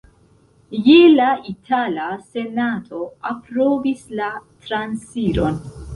Je la la itala senato aprobis la transiron.